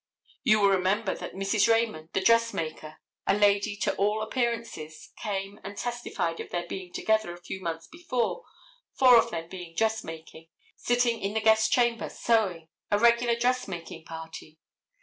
You will remember that Mrs. Raymond, the dressmaker, a lady to all appearances, came and testified of their being together a few months before, four of them being dressmaking, sitting in the guest chamber sewing, a regular dressmaking party.